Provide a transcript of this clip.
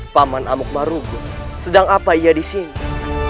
paman amuk marugud sedang apa ia disini